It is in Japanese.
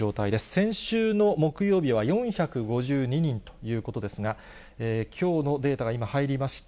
先週の木曜日は４５２人ということですが、きょうのデータが今、入りました。